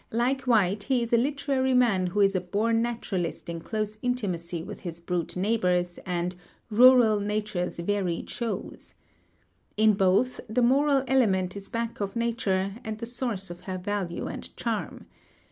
Like White, he is a literary man who is a born naturalist in close intimacy with his brute neighbors and "rural nature's varied shows." In both, the moral element is back of nature and the source of her value and charm.